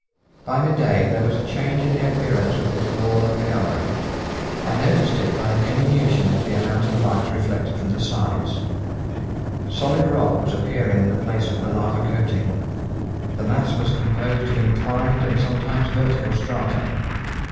By mid day there was a change in the appearance of this wall of the gallery. I noticed it by a diminution of the amount of light reflected from the sides; solid rock was appearing in the place of the lava coating. The mass was composed of inclined and sometimes vertical strata.